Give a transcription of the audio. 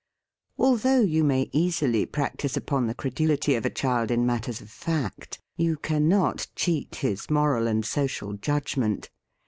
Although you may easily practise upon the credulity of a child in matters of fact, you cannot cheat his moral and social judgment.